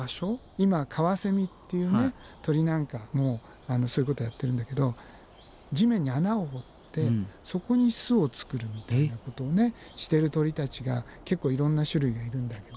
今カワセミっていう鳥なんかもそういうことやってるんだけど地面に穴を掘ってそこに巣を作るみたいなことをしてる鳥たちが結構いろんな種類がいるんだけど。